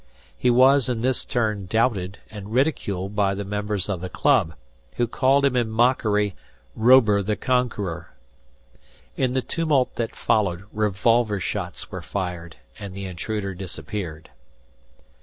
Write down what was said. He was in this turn doubted and ridiculed by the members of the club, who called him in mockery Robur the Conqueror. In the tumult that followed, revolver shots were fired; and the intruder disappeared.